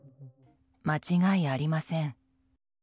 間違いありません。